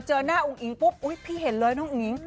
เจอหน้าอุ้งอิงปุ๊บอุ๊ยพี่เห็นเลยน้องอุ๋ง